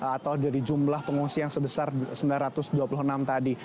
atau dari jumlah pengungsi yang sebesar sembilan ratus dua puluh enam tadi